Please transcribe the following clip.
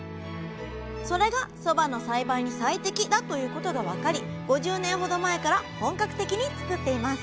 それがそばの栽培に最適だということが分かり５０年ほど前から本格的につくっています